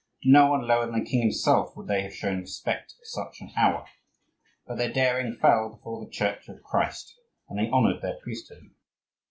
To no one lower than the king himself would they have shown respect at such an hour; but their daring fell before the Church of Christ, and they honoured their priesthood.